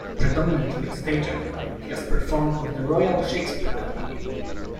Predominantly a stage actor, he has performed with the Royal Shakespeare Company.